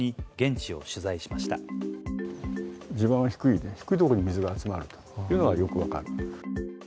地盤が低い、低い所に水が集まるというのがよく分かる。